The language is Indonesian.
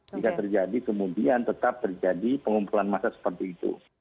jika terjadi kemudian tetap terjadi pengumpulan massa seperti itu